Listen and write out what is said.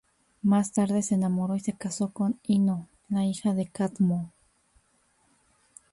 Más tarde se enamoró y se casó con Ino, la hija de Cadmo.